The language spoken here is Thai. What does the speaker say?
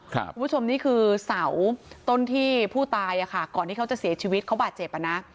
คุณผู้ชมนี่คือเสาต้นที่ผู้ตายก่อนที่เขาจะเสียชีวิตเขาบาดเจ็บอ่ะนะ